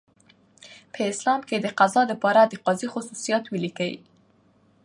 په اسلام کي دقضاء د پاره دقاضي خصوصیات ولیکئ؟